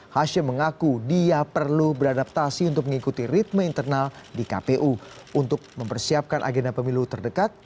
hashim mengaku dia perlu beradaptasi untuk mengikuti ritme internal di kpu untuk mempersiapkan agenda pemilu terdekat